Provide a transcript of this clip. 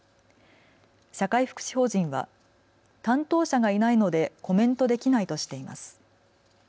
社会福祉法人は担当者がいないのでコメントできないとしています。